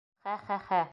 Хә-хә-хә!